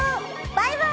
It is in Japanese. バイバイ！